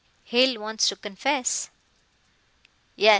"Hale wants to confess." "Yes.